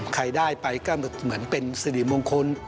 ใครได้ไปก็เหมือนเป็นสิริมงคล